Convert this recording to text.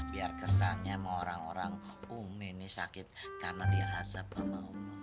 biar kesannya sama orang orang ummi ini sakit karena dihazab sama ummi